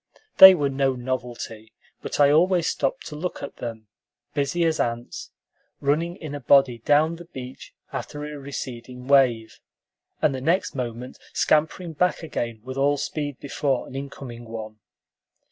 They were no novelty, but I always stopped to look at them; busy as ants, running in a body down the beach after a receding wave, and the next moment scampering back again with all speed before an incoming one.